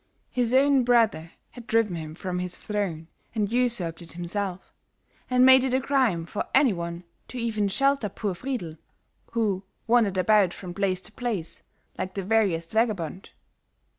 His own brother had driven him from his throne and usurped it himself, and made it a crime for any one to even shelter poor Friedl, who wandered about from place to place like the veriest vagabond.